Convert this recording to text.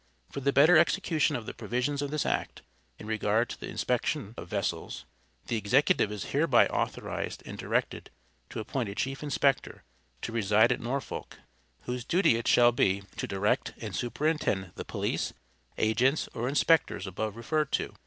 For the better execution of the provisions of this act, in regard to the inspection, of vessels, the executive is hereby authorized and directed to appoint a chief inspector, to reside at Norfolk, whose duty it shall be, to direct and superintend the police, agents, or inspectors above referred to.